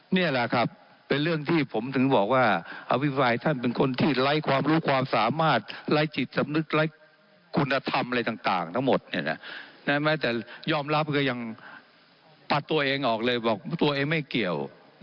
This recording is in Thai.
แม้แต่ยอมรับก็ยังปัดตัวเองออกเลยบอกตัวเองไม่เกี่ยว